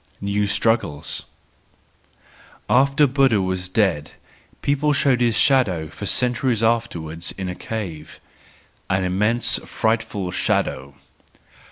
New Struggles .—After Buddha was dead people showed his shadow for centuries afterwards in a cave,—an immense frightful shadow.